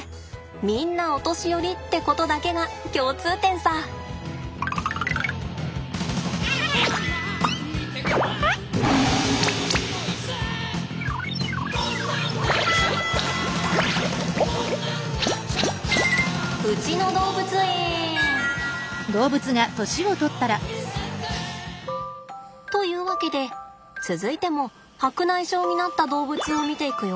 みんなお年寄りってことだけが共通点さ！というわけで続いても白内障になった動物を見ていくよ。